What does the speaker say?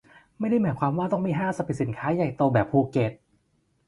ไม่ได้หมายความว่าต้องมีห้างสรรพสินค้าใหญ่โตแบบภูเก็ต